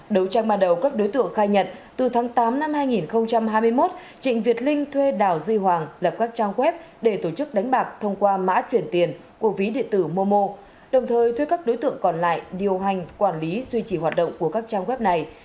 đấu tranh ban đầu các đối tượng khai nhận từ tháng tám năm hai nghìn hai mươi một trịnh việt linh thuê đào duy hoàng lập các trang web để tổ chức đánh bạc thông qua mã chuyển tiền của ví điện tử momo đồng thời thuê các đối tượng còn lại điều hành quản lý duy trì hoạt động của các trang web này